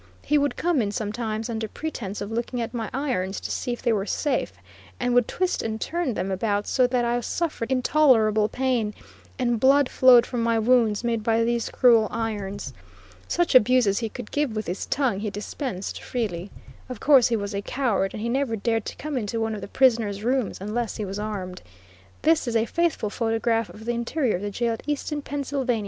He would come in sometimes under pretence of looking at my irons to see if they were safe, and would twist and turn them about so that I suffered intolerable pain, and blood flowed from my wounds made by these cruel irons. Such abuse as he could give with his tongue he dispensed freely. Of course he was a coward, and he never dared to come into one of the prisoner's rooms unless he was armed. This is a faithful photograph of the interior of the jail at Easton, Penn.